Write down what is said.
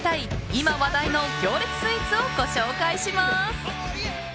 今、話題の行列スイーツをご紹介します。